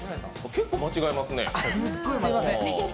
結構、間違えますね。